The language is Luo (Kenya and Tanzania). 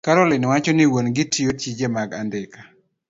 Caroline wacho ni wuon-gi tiyo tije mag andika,